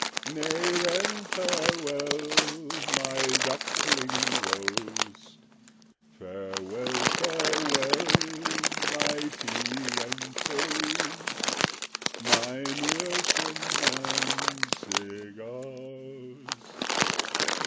Nay then, farewell, my duckling roast, Farewell, farewell, my tea and toast, My meerschaum and cigars!